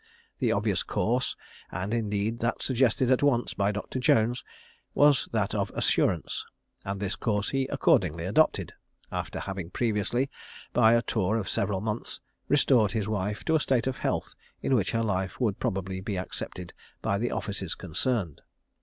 The obvious course, and indeed that suggested at once by Dr. Jones, was that of assurance, and this course he accordingly adopted, after having previously, by a tour of several months, restored his wife to a state of health in which her life would probably be accepted by the offices concerned.